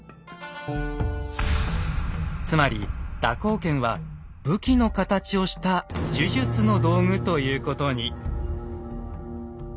つまり蛇行剣は武器の形をした呪術の道具ということに。